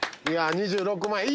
いや２６万。